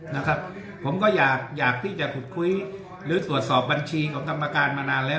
นะครับผมก็อยากอยากที่จะขุดคุยหรือตรวจสอบบัญชีของกรรมการมานานแล้ว